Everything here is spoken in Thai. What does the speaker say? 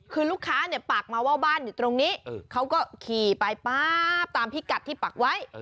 คือลูกค้าเนี่ยปากมาว่าบ้านอยู่ตรงนี้เขาก็ขี่ไปป๊าบตามพิกัดที่ปักไว้